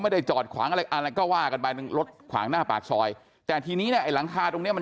ไม่ได้จอดขวางอะไรก็ว่ากันไปรถขวางหน้าปากซอยแต่ทีนี้ไอ้หลังคาตรงนี้มัน